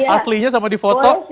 aslinya sama difotok sama